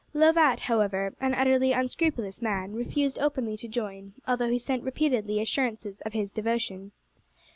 Lovat, however, an utterly unscrupulous man, refused openly to join, although he sent repeatedly assurances of his devotion.